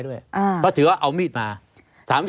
ด้วยที่มันมีเวลาขั้นอยู่